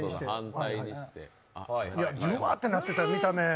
じゅわってなってた、見た目。